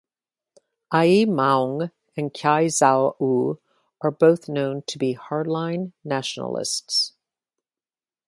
Aye Maung and Kyaw Zaw Oo are both known to be hardline nationalists.